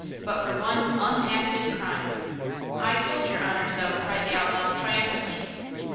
but for one 'unacted crime! '" "I told your honor so!" cried the outlaw, triumphantly.